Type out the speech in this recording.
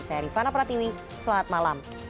saya rifana pratiwi selamat malam